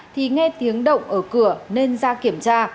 thì nghe tiếng động ở cửa nên ra kiểm tra